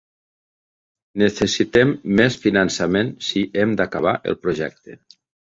Necessitem més finançament si hem d'acabar el projecte.